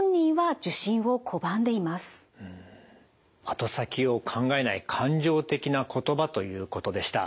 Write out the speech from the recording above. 後先を考えない感情的な言葉ということでした。